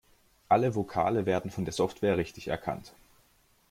Alle Vokale werden von der Software richtig erkannt.